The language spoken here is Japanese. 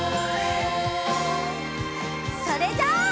それじゃあ。